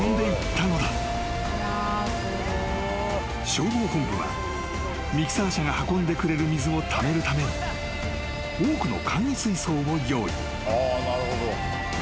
・［消防本部はミキサー車が運んでくれる水をためるために多くの］